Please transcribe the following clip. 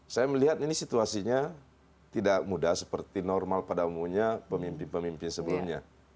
saya melihat ini situasinya tidak mudah seperti normal pada umumnya pemimpin pemimpin sebelumnya